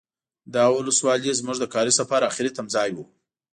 دا ولسوالي زمونږ د کاري سفر اخري تمځای و.